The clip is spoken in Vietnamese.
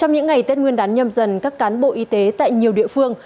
trong những ngày tết nguyên đán nhâm dần các cán bộ y tế tại nhiều địa phương